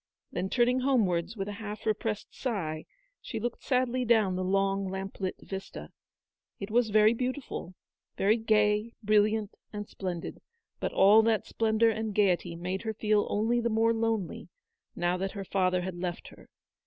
Then turning home wards with a half repressed sigh, she looked sadly down the long lamp lit vista. It was very beauti ful, very gay, brilliant, and splendid ; but all that splendour and gaiety made her feel only the more lonely, now that her father had left her.